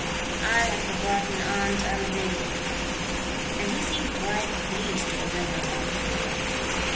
"I had forgotten Aunt Alviry," and he seemed quite pleased to remember her.